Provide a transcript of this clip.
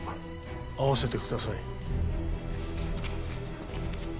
会わせてください。